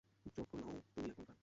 যোগ্য নও তুমি এখানকার।